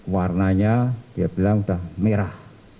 warnanya dia bilang sudah merah